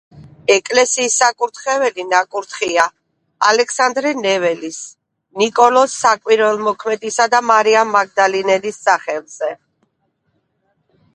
ეკლესიის საკურთხეველი ნაკურთხია ალექსანდრე ნეველის, ნიკოლოზ საკვირველთმოქმედისა და მარიამ მაგდალინელის სახელზე.